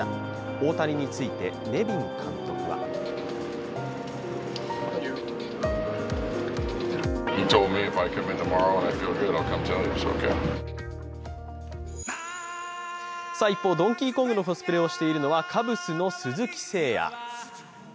大谷についてネビン監督は一方ドンキーコングのコスプレをしているのはカブスの鈴木誠也。